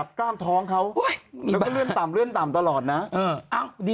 กรุ่งไหนมันมาแล้วค่ะ